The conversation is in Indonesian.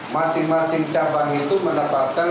masing masing cabang itu menetapkan